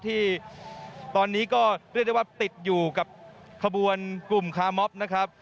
ที่ตอนนี้ก็เรียกได้ว่าติดอยู่กับขบวนกลุ่มคาร์มอบนะครับ